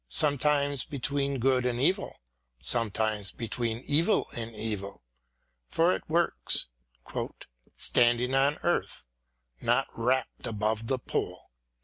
EDMUND BURKE 59 times between good and evil, sometimes between evil and evil — for it works " standing on earth, not rapt above the pole."